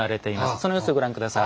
その様子をご覧下さい。